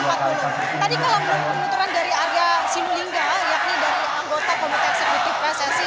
tadi kalau menurut penuturan dari arya sinulinga yakni dari anggota komite eksekutif pssi